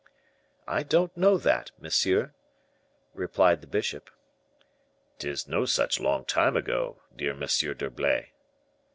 "I don't know that, monsieur," replied the bishop. "'Tis no such long time ago, dear Monsieur d'Herblay."